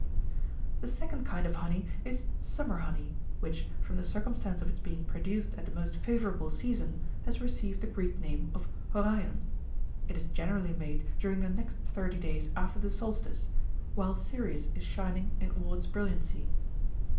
The second kind of honey is "summer honey," which, from the circumstance of its being produced at the most favourable season, has received the Greek name of horaion ;35 it is gene rally made during the next thirty days after the solstice, while Sirius is shining in all its brilliancy.